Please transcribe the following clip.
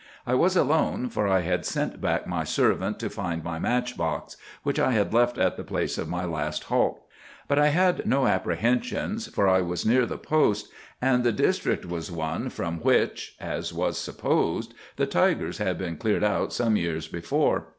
I was alone, for I had sent back my servant to find my match box, which I had left at the place of my last halt; but I had no apprehensions, for I was near the post, and the district was one from which, as was supposed, the tigers had been cleared out some years before.